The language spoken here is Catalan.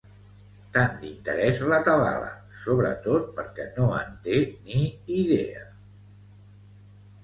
Tant d'interès l'atabala, sobretot perquè no en té ni idea.